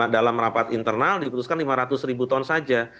dalam rapat internal diputuskan lima ratus ribu ton saja